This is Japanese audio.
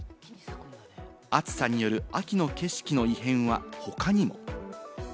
暑さによる秋の景色の異変は他にも。